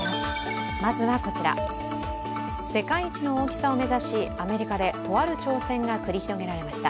世界一の大きさを目指しアメリカでとある挑戦が繰り広げられました。